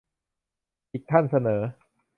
อีกท่านเสนอ